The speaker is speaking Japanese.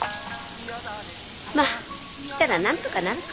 まあ来たらなんとかなるか。